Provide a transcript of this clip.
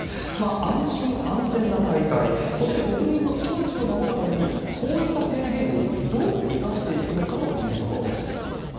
安心安全な大会、そして国民の命を守るために、こういった提言をどう生かしていくのかというところです。